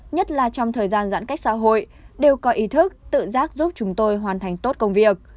nhất là trong thời gian giãn cách xã hội đều có ý thức tự giác giúp chúng tôi hoàn thành tốt công việc